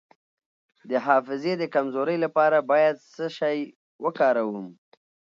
د حافظې د کمزوری لپاره باید څه شی وکاروم؟